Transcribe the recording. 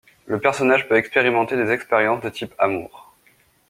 Le personnage peut expérimenter des expériences de type Amour.